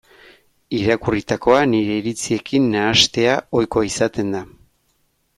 Irakurritakoa nire iritziekin nahastea ohikoa izaten da.